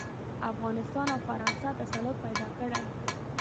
افغانستان او فرانسه تسلط پیدا کړي.